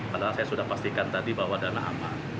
karena saya sudah pastikan tadi bahwa dana aman